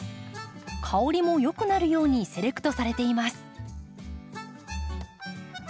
香りもよくなるようにセレクトされています。